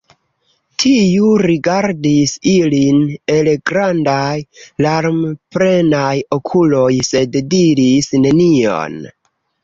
Tiu rigardis ilin el grandaj larmplenaj okuloj, sed diris nenion.